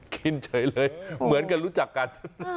กินเฉยเลยเหมือนกันรู้จักกัน